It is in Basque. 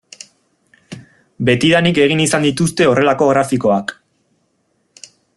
Betidanik egin izan dituzte horrelako grafikoak.